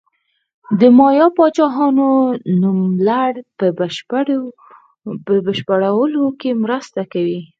د مایا پاچاهانو نوملړ په بشپړولو کې مرسته کوي.